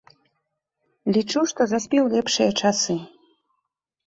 Лічу, што заспеў лепшыя часы.